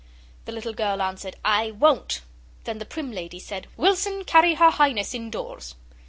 The little girl answered, 'I won't!' Then the prim lady said 'Wilson, carry her Highness indoors.